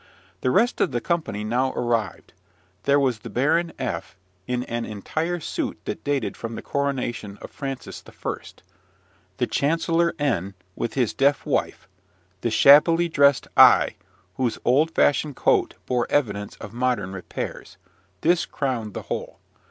The rest of the company now arrived. There was the Baron F , in an entire suit that dated from the coronation of Francis I.; the Chancellor N , with his deaf wife; the shabbily dressed I , whose old fashioned coat bore evidence of modern repairs: this crowned the whole.